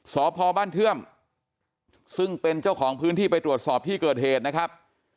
สพบ้านเทื่อมซึ่งเป็นเจ้าของพื้นที่ไปตรวจสอบที่เกิดเหตุนะครับ